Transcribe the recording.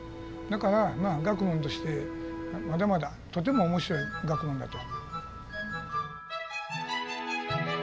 だからまあ学問としてまだまだとても面白い学問だと。